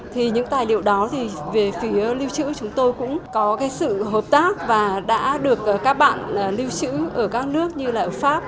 thì những tài liệu đó thì về phía lưu trữ chúng tôi cũng có cái sự hợp tác và đã được các bạn lưu trữ ở các nước như là ở pháp